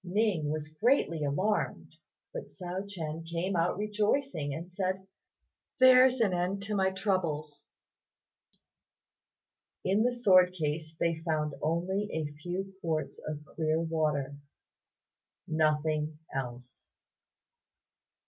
Ning was greatly alarmed, but Hsiao ch'ien came out rejoicing, and said, "There's an end of my troubles." In the sword case they found only a few quarts of clear water; nothing else.